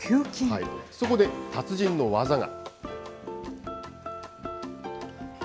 そこで、達人の技が。